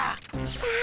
さあ